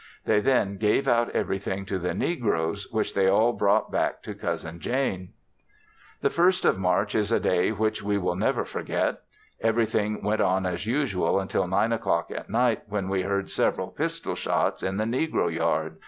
They then gave out everything to the negroes, which they all brought back to Cousin Jane. The 1st of March is a day which we will never forget; everything went on as usual until nine o'clock at night when we heard several pistol shots in the negro yard.